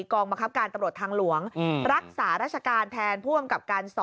กองบังคับการตำรวจทางหลวงรักษาราชการแทนผู้อำกับการ๒